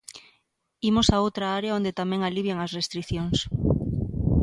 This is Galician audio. Imos a outra área onde tamén alivian as restricións.